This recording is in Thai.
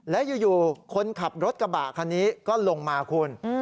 และอยู่คนขับรถกระบะคันนี้ก็ลงมาคุณ